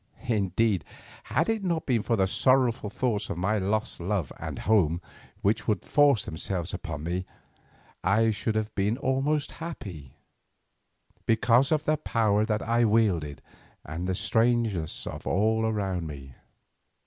Indeed, had it not been for the sorrowful thoughts of my lost love and home which would force themselves upon me, I should have been almost happy, because of the power that I wielded and the strangeness of all around me.